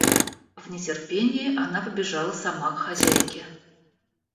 В нетерпении она побежала сама к хозяйке.